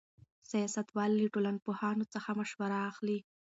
سیاستوال له ټولنپوهانو څخه مشوره اخلي.